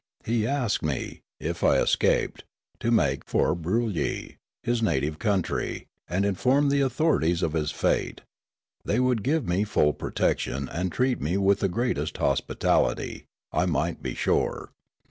He asked me, if I escaped, to make for Broolyi, his native country, and inform the authorities of his fate ; they would give me full protection and treat me with the greatest hospitality, I might be sure.